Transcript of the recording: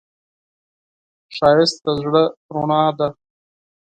ښایست د زړه رڼا ده